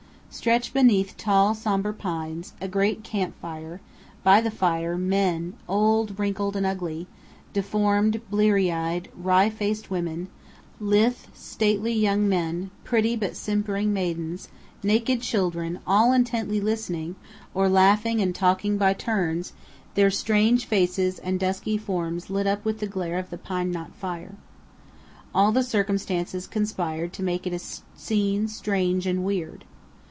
Stretched beneath tall, somber pines; a great camp fire; by the fire, men, old, wrinkled, and ugly; deformed, blear eyed, wry faced women; lithe, stately young men; pretty but simpering maidens, naked children, all intently listening, or laughing and talking by turns, their strange faces and dusky forms lit up with the glare of the pine knot fire. All the circumstances conspired to make it a scene strange and weird.